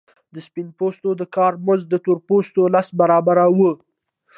د سپین پوستو د کار مزد د تور پوستو لس برابره وو